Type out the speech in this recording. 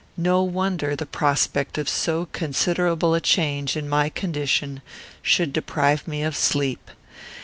No wonder the prospect of so considerable a change in my condition should deprive me of sleep.